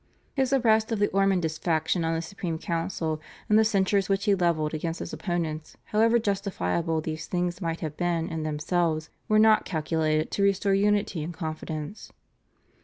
His arrest of the Ormondist faction on the Supreme Council and the censures which he levelled against his opponents, however justifiable these things might have been in themselves, were not calculated to restore unity and confidence.